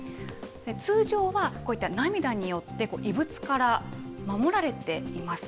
通常は、こういった涙によって、異物から守られています。